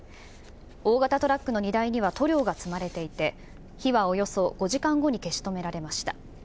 大型トラックの荷台には塗料が積まれていて、火はおよそ５時間後に消し止められました。